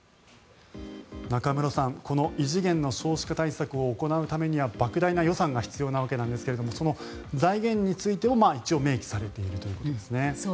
中室さん、この異次元の少子化対策を行うためにはばく大な予算が必要なわけなんですがその財源についても一応明記されているということですね。